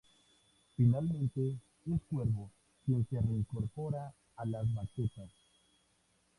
Finalmente es Cuervo quien se reincorpora a las baquetas.